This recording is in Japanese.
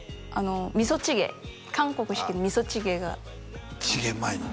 味噌チゲ韓国式の味噌チゲがチゲうまいの？